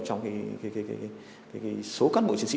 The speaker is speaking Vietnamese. trong số cán bộ chiến sĩ